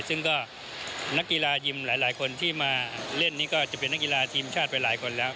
ซึ่งก็นักกีฬายิมหลายคนที่มาเล่นนี่ก็จะเป็นนักกีฬาทีมชาติไปหลายคนแล้ว